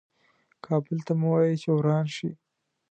کابل ته مه وایه چې وران شه .